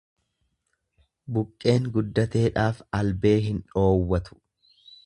Buqqeen guddateedhaaf albee hin dhoowwatu.